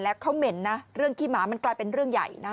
แล้วเขาเหม็นนะเรื่องขี้หมามันกลายเป็นเรื่องใหญ่นะ